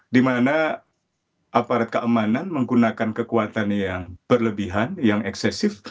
dimana aparat keamanan menggunakan kekuatan yang berlebihan yang eksesif